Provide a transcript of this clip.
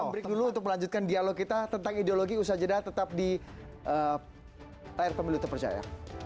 break dulu untuk melanjutkan dialog kita tentang ideologi usaha jeda tetap di layar pemilu terpercaya